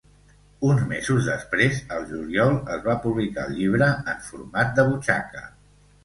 Uns mesos després, al juliol, es va publicar el llibre en format de butxaca.